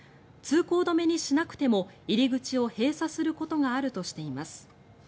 通行止めにしなくても入り口を閉鎖することがあるとしています。